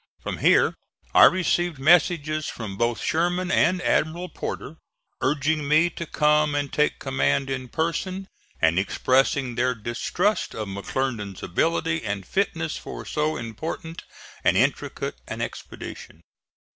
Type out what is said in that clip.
From here I received messages from both Sherman and Admiral Porter, urging me to come and take command in person, and expressing their distrust of McClernand's ability and fitness for so important and intricate an expedition.